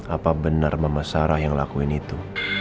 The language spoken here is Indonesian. apa benar mama sarah yang lakuin itu